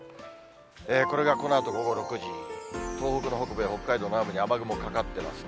これがこのあと午後６時、東北の北部や北海道南部に雨雲がかかってますね。